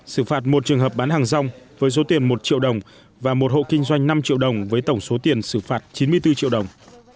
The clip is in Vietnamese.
xử phạt một trường hợp bán hàng rong với số tiền một triệu đồng và một hộ kinh doanh năm triệu đồng với tổng số tiền xử phạt chín mươi bốn triệu đồng